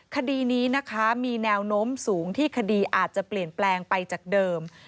คดีนี้นะคะมีแนวโน้มสูงที่คดีอาจจะเปลี่ยนแปลงไปจากเดิม